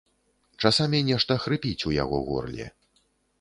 Часамі нешта хрыпіць у яго горле.